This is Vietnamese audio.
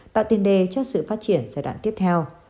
tạo tiền đề cho sự phát triển giai đoạn tiếp theo